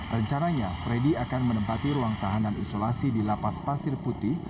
rencananya freddy akan menempati ruang tahanan isolasi di lapas pasir putih